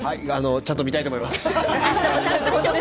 ちゃんと見たいと思います。